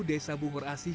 desa bungur asih